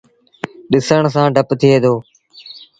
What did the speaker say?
ڏسڻ سآݩ ڊپ ٿئي دو۔